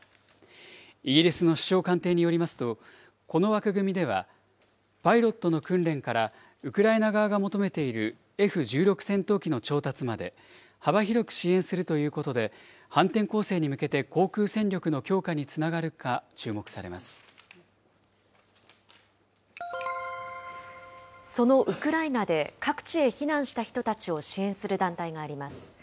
イギリスの首相官邸によりますと、この枠組みでは、パイロットの訓練からウクライナ側が求めているＦ１６戦闘機の調達まで、幅広く支援するということで、反転攻勢に向けて航空戦力の強化につながそのウクライナで各地へ避難した人たちを支援する団体があります。